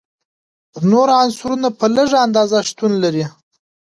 نور عنصرونه په لږه اندازه شتون لري.